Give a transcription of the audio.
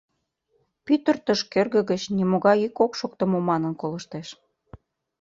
Пӱтыртыш кӧргӧ гыч нимогай йӱк ок шокто мо манын колыштеш.